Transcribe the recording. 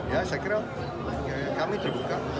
ya saya kira kami terbuka